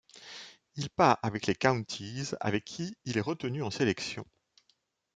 Il part avec les Counties avec qui il est retenu en sélection.